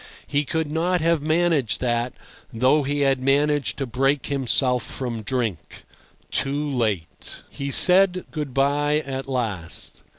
He could not have managed that, though he had managed to break himself from drink—too late. He said good bye at last.